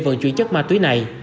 vận chuyển chất ma túy này